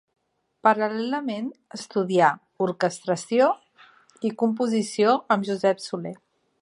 Paral·lelament estudià orquestració i composició amb Josep Soler.